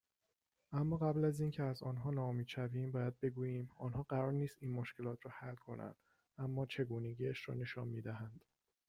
اما قبل از این که از آنها نومید شویم، باید بگویم، آنها قرار نیست این مشکلات را حل کنند، اما چگونگیاش را نشان میدهند